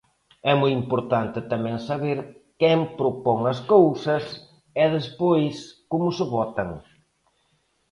É moi importante tamén saber quen propón as cousas e despois como se votan.